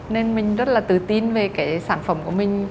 nên mình rất là tự tin về cái sản phẩm của mình